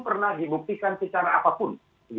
pernah dibuktikan secara apapun